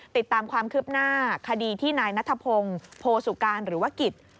ติดตามความคืบหน้าคดีที่นายนัทพงศ์โพสุการหรือว่ากิจ